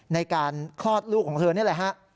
ในการคลอดลูกของเธอนี่แหละฮะ